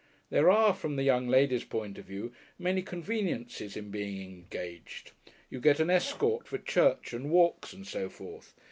There are, from the young lady's point of view, many conveniences in being engaged. You get an escort for church and walks and so forth.